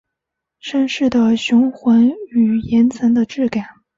山势的雄浑与岩层的质感